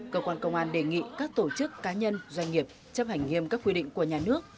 cơ quan công an đề nghị các tổ chức cá nhân doanh nghiệp chấp hành nghiêm các quy định của nhà nước